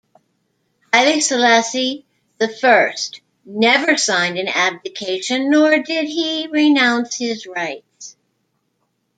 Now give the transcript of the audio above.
Haile Selassie the First never signed an abdication, nor did he renounce his rights.